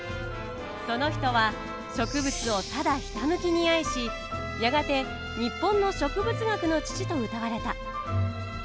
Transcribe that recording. その人は植物をただひたむきに愛しやがて日本の植物学の父とうたわれた。